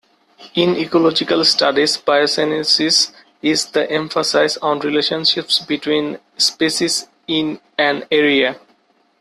In ecological studies, biocenosis is the emphasis on relationships between species in an area.